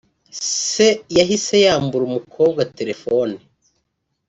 se yahise yambura umukobwa telefone